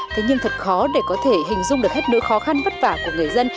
thế nhưng thật khó để có thể hình dung được hết nỗi khó khăn vất vả của người dân